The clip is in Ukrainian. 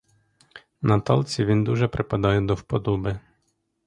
Наталці він дуже припадає до вподоби.